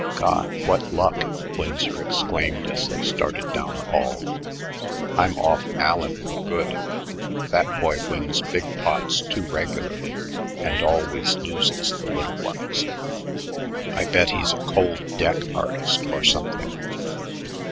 "God, what luck!" Winsor exclaimed as they started down the hall. "I'm off Allen for good. That boy wins big pots too regularly and always loses the little ones. I bet he's a cold deck artist or something."